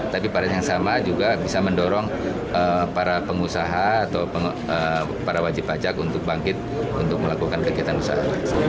tapi pada yang sama juga bisa mendorong para pengusaha atau para wajib pajak untuk bangkit untuk melakukan kegiatan usaha